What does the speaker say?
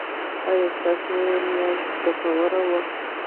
ایا ستاسو میاشت ګټوره وه؟